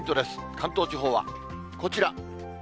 関東地方はこちら。